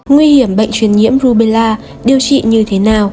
nguy hiểm bệnh truyền nhiễm rubella điều trị như thế nào